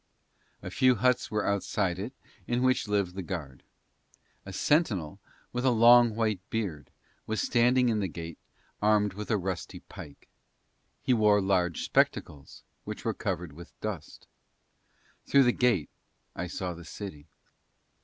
A few huts were outside it, in which lived the guard. A sentinel with a long white beard was standing in the gate, armed with a rusty pike. He wore large spectacles, which were covered with dust. Through the gate I saw the city.